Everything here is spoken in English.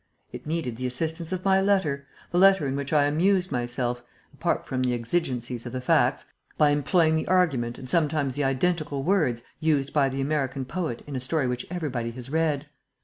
It needed the assistance of my letter, the letter in which I amused myself apart from the exigencies of the facts by employing the argument and sometimes the identical words used by the American poet in a story which everybody has read.